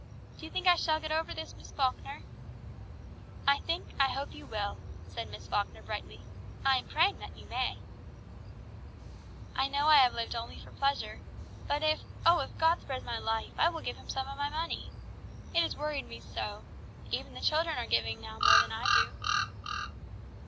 "Do you think I shall get over this, Miss Falkner!" "I think I hope you will," said Miss Falkner brightly. "I am praying that you may." "I know I have lived only for pleasure, but if, oh, if God spares my life, I will give Him some of my money. It has worried me so. Even the children are giving now more than I do."